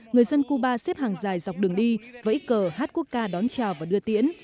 người dân cuba xếp hàng dài dọc đường đi vẫy cờ hát quốc ca đón chào và đưa tiễn